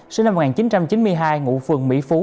sinh năm một nghìn chín trăm chín mươi hai ngụ phường mỹ phú